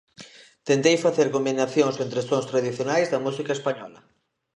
Tentei facer combinacións entre sons tradicionais da música española.